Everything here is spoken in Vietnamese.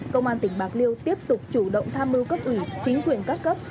công an tỉnh bạc liêu tiếp tục chủ động tham mưu cấp ủy chính quyền các cấp